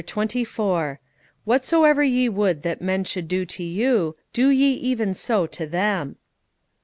CHAPTER XXIV. "Whatsoever ye would that men should do to you, do ye even so to them."